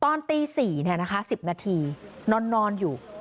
ตอนตีสี่นะคะ๑๐นาทีนอนอยู่